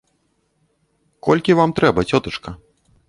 Колькі вам трэба, цётачка?